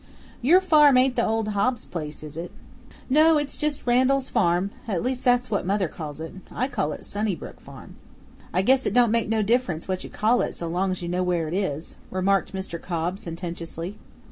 "Your farm ain't the old Hobbs place, is it?" "No, it's just Randall's Farm. At least that's what mother calls it. I call it Sunnybrook Farm." "I guess it don't make no difference what you call it so long as you know where it is," remarked Mr. Cobb sententiously.